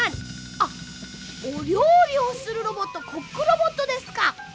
あっおりょうりをするロボットコックロボットですか！